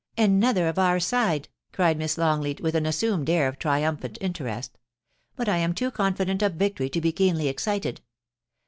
' Another of our side !' cried Miss Longleat, with an assumed air of triumphant interest * But I am too con fident of victory to be keenly excited.